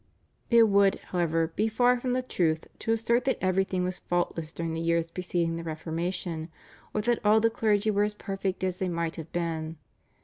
It would, however, be far from the truth to assert that everything was faultless during the years preceding the Reformation, or that all the clergy were as perfect as they might have been.